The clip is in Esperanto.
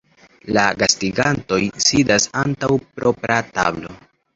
La gastigantoj sidas antaŭ propra tablo.